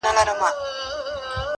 تجرۍ دي که جېبونه صندوقونه!.